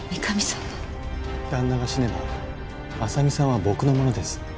旦那が死ねば亜佐美さんは僕のものです。